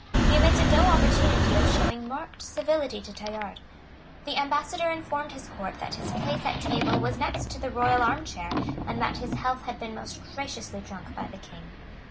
He omitted no opportunity of showing marked civility to Tallard. The Ambassador informed his Court that his place at table was next to the royal arm chair, and that his health had been most graciously drunk by the King.